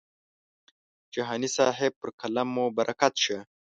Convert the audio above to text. جهاني صاحب پر قلم مو برکت شه.